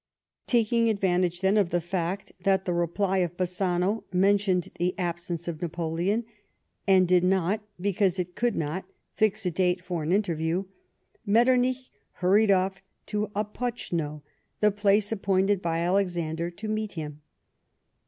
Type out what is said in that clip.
Taking advantage, then, of the fact that the reply of Bassano mentioned the absence of Napoleon, and did not, because it could nor, fix a date for an interview, ^Metternich hurried off to Opoeno, the place appointed by Alexander to meet him.